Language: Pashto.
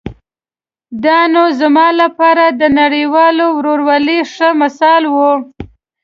دا نو زما لپاره د نړیوال ورورولۍ ښه مثال و.